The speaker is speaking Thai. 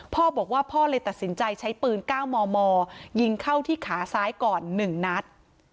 พ่อบอกว่าพ่อเลยตัดสินใจใช้ปืน๙มมยิงเข้าที่ขาซ้ายก่อน๑นัด